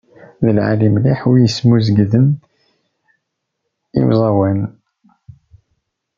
D lεali mliḥ w' ismuzegten i uẓawan.